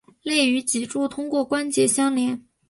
肋与脊柱通过关节相连。